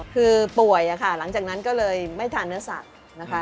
คือป่วยค่ะหลังจากนั้นก็เลยไม่ทานเนื้อสัตว์นะคะ